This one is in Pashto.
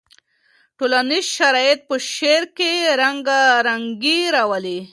ټولنیز شرایط په شعر کې رنګارنګي راولي.